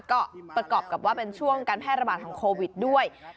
ก็ประกอบกับว่าเป็นช่วงการแพร่ระบาดของโควิดด้วย